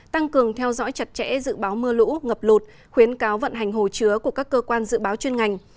tăng cường theo dõi chặt chẽ dự báo mưa lũ ngập lụt khuyến cáo vận hành hồ chứa của các cơ quan dự báo chuyên ngành